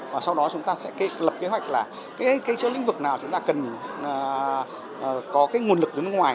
và sau đó chúng ta sẽ lập kế hoạch là cái lĩnh vực nào chúng ta cần có cái nguồn lực từ nước ngoài